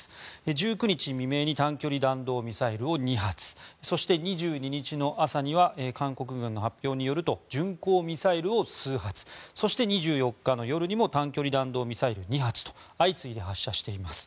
１９日未明に短距離弾道ミサイルを２発そして２２日の朝には韓国軍の発表によると巡航ミサイルを数発そして２４日の夜にも短距離弾道ミサイル２発と相次いで発射しています。